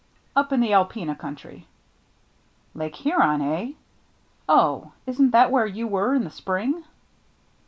" Up in the Alpena country." " Lake Huron, eh ? Oh — isn't that where you went in the spring